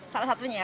salah satunya ya